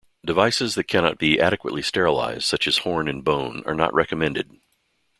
Devices that cannot be adequately sterilized such as horn and bone are not recommended.